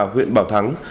huyện bảo thắng